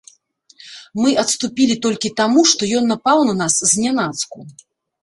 Мы адступілі толькі таму, што ён напаў на нас знянацку.